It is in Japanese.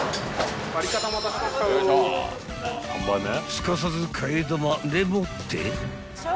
［すかさず替玉んでもって］